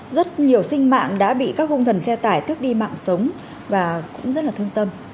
rất nhiều sinh mạng đã bị các hung thần xe tải tước đi mạng sống và cũng rất là thương tâm